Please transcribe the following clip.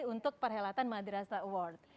untuk perhelatan madrasa award